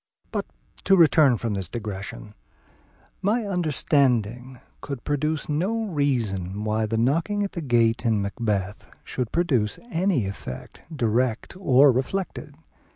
But to return from this digression, my understanding could furnish no reason why the knocking at the gate in Macbeth should produce any effect, direct or reflected.